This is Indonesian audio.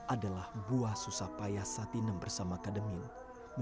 adalah buah susapaya satinem bersama kademil